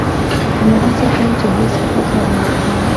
نو هڅه کوم چې هېڅ هغه کار و نه کړم.